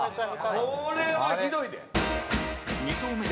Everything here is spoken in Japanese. これは、ひどいで。